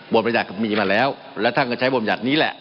บนประหยัดมีมาแล้วและท่านก็ใช้บนประหยัดนี้แหละ